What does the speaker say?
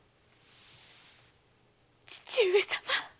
義父上様！